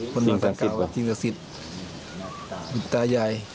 จริงศักดิ์สิทธิ์จริงศักดิ์สิทธิ์ตาใย